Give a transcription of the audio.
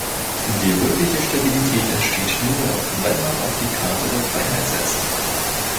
Die wirkliche Stabilität entsteht nur, wenn man auf die Karte der Freiheit setzt.